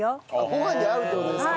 ご飯に合うって事ですか？